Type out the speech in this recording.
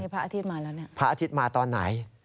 พระอาทิตย์มาแล้วเนี่ยพระอาทิตย์มาตอนไหน